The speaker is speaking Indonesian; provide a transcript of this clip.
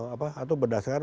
apa atau berdasarkan